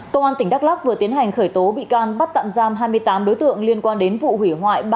công an tỉnh đắk lắc vừa tiến hành khởi tố bị can bắt tạm giam hai mươi tám đối tượng liên quan đến vụ hủy hoại